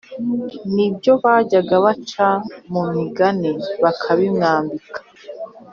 n’ibyo bajyaga baca mu migani bakabimwambika